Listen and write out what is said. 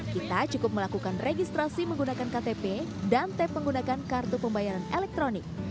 kita cukup melakukan registrasi menggunakan ktp dan tap menggunakan kartu pembayaran elektronik